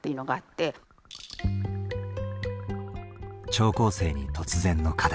聴講生に突然の課題。